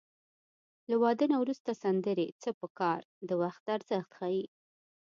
له واده نه وروسته سندرې څه په کار د وخت ارزښت ښيي